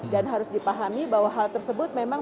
dan harus dipahami bahwa hal tersebut memang